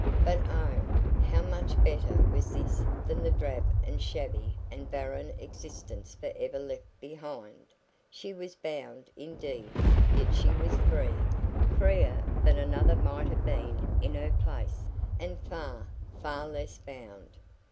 But oh, how much better was this than the drab and shabby and barren existence for ever left behind! She was bound, indeed; yet she was free freer than another might have been in her place, and far, far less bound.